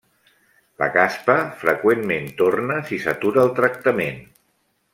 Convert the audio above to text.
La caspa freqüentment torna si s'atura el tractament.